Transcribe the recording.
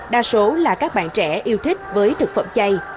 đa số là các bạn trẻ yêu thích với thực phẩm chay